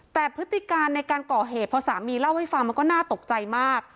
แต่พฤติการในการก่อเหตุพอสามีเล่าให้ฟังมันก็น่าตกใจมาก